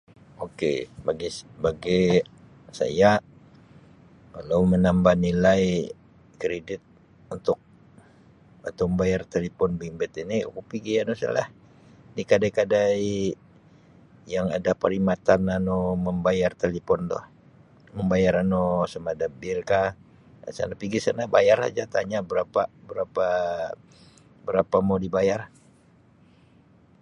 Ok bagi bagi saya kalau menambah nilai kredit untuk atau membayar telefon bimbit ini aku pigi anu sak lah di kadai-kadai yang ada perkhidmatan anu membayar telefon tu membayar anu samada bil kah asal pigi sana bayar aja tanya berapa berapa berapa mau dibayar.